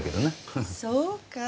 そうか？